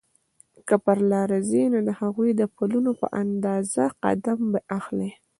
که پر لاره ځې نو د هغوی د پلونو په اندازه قدم به اخلې.